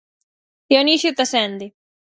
Dionisio Tasende.